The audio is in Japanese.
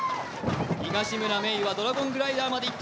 東村芽依はドラゴングライダーまで行った。